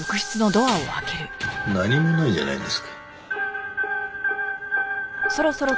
何もないじゃないですか。